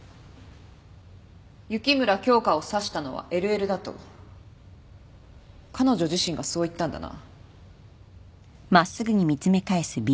雪村京花を刺したのはＬＬだと彼女自身がそう言ったんだな？